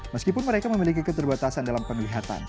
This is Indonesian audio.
meskipun mereka memiliki keterbatasan dalam penglihatan